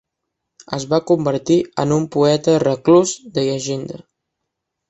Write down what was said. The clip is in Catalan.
Es va convertir en un poeta reclús de llegenda.